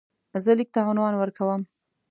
زه لیک ته عنوان ورکوم.